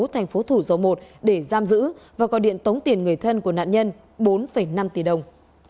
thành phố thủ dầu một để giam giữ và gọi điện tống tiền người thân của nạn nhân bốn năm tỷ đồng